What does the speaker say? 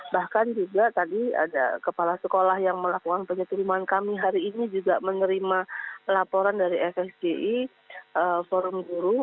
bahkan juga tadi ada kepala sekolah yang melakukan penyetiruman kami hari ini juga menerima laporan dari fsgi forum guru